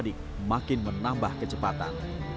dan kecepatan ini akan menambah kecepatan